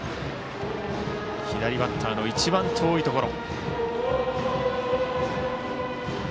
左バッターの一番遠いところ。